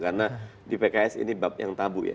karena di pks ini yang tabu ya